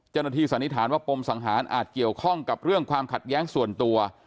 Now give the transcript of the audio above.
สันนิษฐานว่าปมสังหารอาจเกี่ยวข้องกับเรื่องความขัดแย้งส่วนตัว